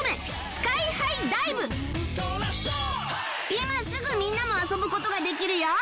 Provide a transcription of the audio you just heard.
今すぐみんなも遊ぶ事ができるよ